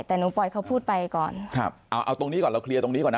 แต่หนูปล่อยเขาพูดไปก่อนครับเอาเอาตรงนี้ก่อนเราเคลียร์ตรงนี้ก่อนนะ